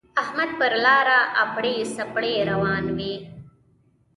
احمد پر لاره اپړې سپړې روان وِي.